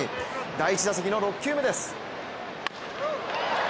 第１打席の６球目です。